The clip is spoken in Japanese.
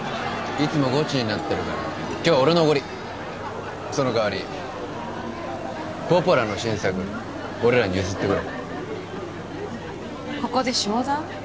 いつもゴチになってるから今日は俺のおごりその代わりポポラの新作俺らに譲ってくれここで商談？